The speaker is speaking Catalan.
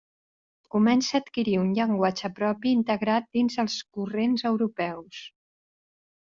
Comença adquirir un llenguatge propi integrat dins els corrents europeus.